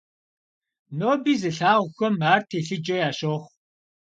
Ноби зылъагъухэм ар телъыджэ ящохъу.